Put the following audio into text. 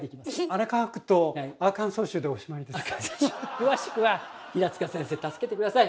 詳しくは平塚先生助けて下さい。